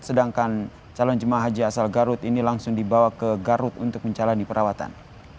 sedangkan calon jemaah haji asal garut ini langsung dibawa ke garut untuk menjalani perawatan